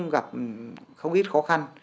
là không ít khó khăn